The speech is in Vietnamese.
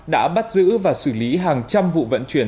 đã bắt giữ và xử lý hàng trăm vụ vận chuyển